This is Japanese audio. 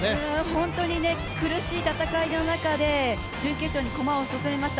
本当に苦しい戦いの中で準決勝に駒を進めました。